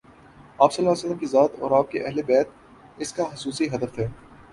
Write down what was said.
آپﷺ کی ذات اور آپ کے اہل بیت اس کاخصوصی ہدف تھے۔